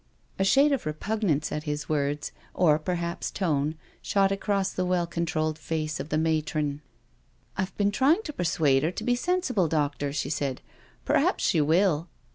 A shade of repugnance at his words, or perhaps tone, shot across the well controlled face of the matron. "I've been trying to persuade her to be sensible, doctor," she said. " Perhaps she will."